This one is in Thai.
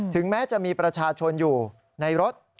แม้จะมีประชาชนอยู่ในรถ